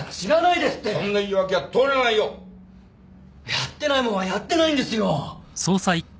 やってないもんはやってないんですよ！